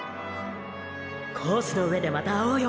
コースの上でまた会おうよ！！